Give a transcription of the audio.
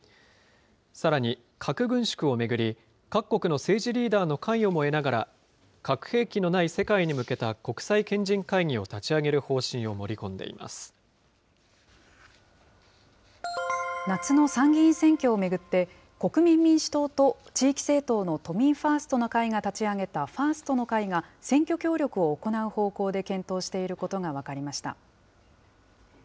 さらに核軍縮を巡り、各国の政治リーダーの関与も得ながら、核兵器のない世界に向けた国際賢人会議を立ち上げる方針を盛り込夏の参議院選挙を巡って、国民民主党と地域政党の都民ファーストの会が立ち上げたファーストの会が、選挙協力を行う方向で検討していることが分かりました。